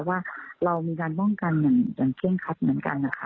ว่าเรามีการป้องกันอย่างเคร่งคัดเหมือนกันนะคะ